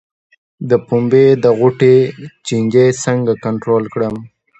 د پنبې د غوټې چینجی څنګه کنټرول کړم؟